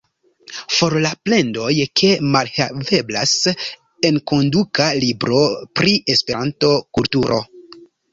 For la plendoj, ke malhaveblas enkonduka libro pri Esperanto-kulturo!